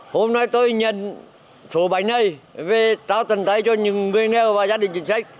hôm nay tôi nhận số bánh này vì tao tận tài cho những người nghèo và gia đình chính sách